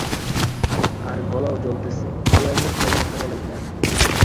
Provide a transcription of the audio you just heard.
আর গলাও জ্বলতেছে, এ অবস্থায় কথা বলাই দায়।